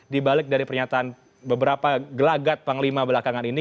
di balik dari pernyataan beberapa gelagat panglima belakangan ini